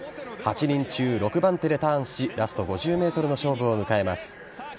８人中６番手でターンしラスト５０ｍの勝負を迎えます。